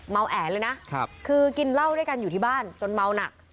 แอดเลยนะคือกินเหล้าด้วยกันอยู่ที่บ้านจนเมาหนัก